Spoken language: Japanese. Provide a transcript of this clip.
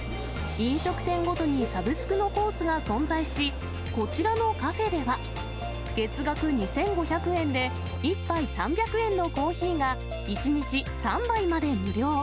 飲食店ごとにサブスクのコースが存在し、こちらのカフェでは、月額２５００円で、１杯３００円のコーヒーが、１日３倍まで無料。